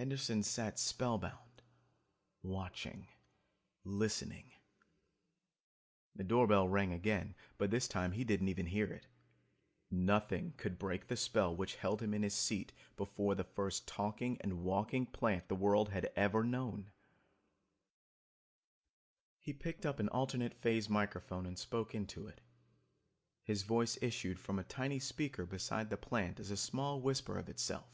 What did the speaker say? Henderson sat spellbound, watching, listening ... The door bell rang again, but this time he didn't even hear it. Nothing could break the spell which held him in his seat before the first talking and walking plant the world had ever known. He picked up an alternate phase microphone and spoke into it. His voice issued from a tiny speaker beside the plant as a small whisper of itself.